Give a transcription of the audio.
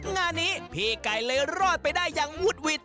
งานนี้พี่ไก่เลยรอดไปได้อย่างวุดหวิด